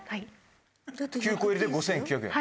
９個入りで５９００円。